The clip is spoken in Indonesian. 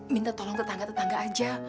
minta tolong ke tetangga tetangga aja